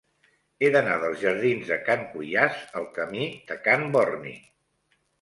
He d'anar dels jardins de Can Cuiàs al camí de Can Borni.